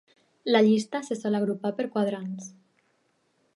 La llista se sol agrupar per quadrants.